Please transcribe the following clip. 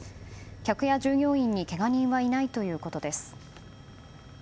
客や従業員にけが人はいないということです。